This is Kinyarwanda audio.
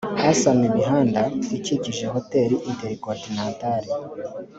hasanwe imihanda ikikije hotel intercontinental